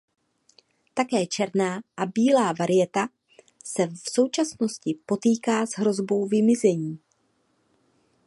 Také černá a bílá varieta se v současnosti potýká s hrozbou vymizení.